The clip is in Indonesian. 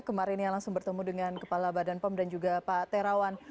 kemarin yang langsung bertemu dengan kepala badan pom dan juga pak terawan